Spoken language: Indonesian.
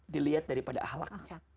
dilihat daripada ahlak